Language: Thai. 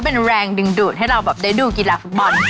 เป็นแรงดึงดูดให้เราแบบได้ดูกีฬาฟุตบอล